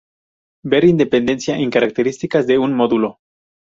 Ver Independencia en Características de un módulo.